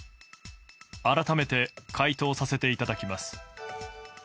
改めて回答させていただきます。